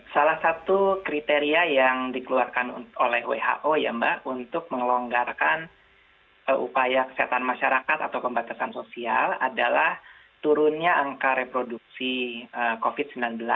salah satu kriteria yang dikeluarkan oleh who ya mbak untuk melonggarkan upaya kesehatan masyarakat atau pembatasan sosial adalah turunnya angka reproduksi covid sembilan belas